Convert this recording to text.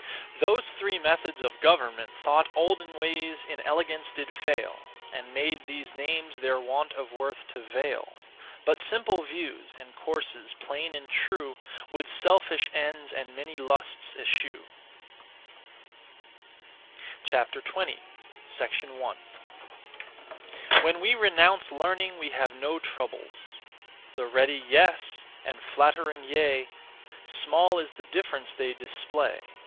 Those three methods (of government) Thought olden ways in elegance did fail And made these names their want of worth to veil; But simple views, and courses plain and true Would selfish ends and many lusts eschew. 20. 1. When we renounce learning we have no troubles. The (ready) 'yes,' and (flattering) 'yea;' Small is the difference they display.